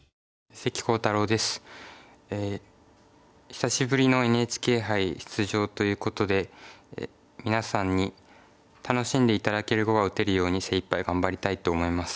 久しぶりのＮＨＫ杯出場ということで皆さんに楽しんで頂ける碁が打てるように精いっぱい頑張りたいと思います。